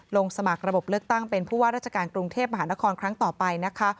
ลงสมัครระบบเลือกตั้งเป็นผู้ว่าราชการกรุงเทพมหานครครั้งต่อไปนะคะ